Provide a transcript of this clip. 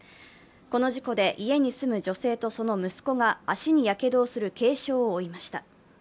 この事故で家に住む女性とその息子が足にやけどをする軽傷を負いました。